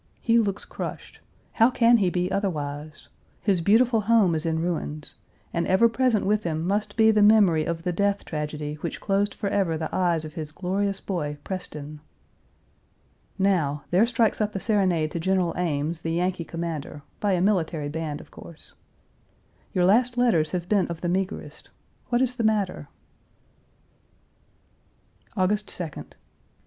He looks crushed. How can he be otherwise? His beautiful home is in ruins, and ever present with him must be the memory of the death tragedy which closed forever the eyes of his glorious boy, Preston! Now! there strikes up a serenade to General Ames, the Yankee commander, by a military band, of course. ... Your last letters have been of the meagerest. What is the matter?" ............................